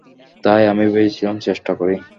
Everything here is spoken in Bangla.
তাই আমি ভেবেছিলাম চেষ্টা করি।